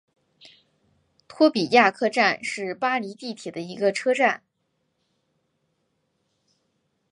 托比亚克站是巴黎地铁的一个车站。